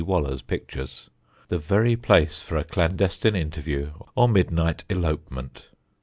Waller's pictures, the very place for a clandestine interview or midnight elopement.